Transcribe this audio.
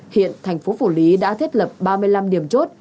hiện thành phố phủ lý đã thiết lập ba mươi năm điểm chốt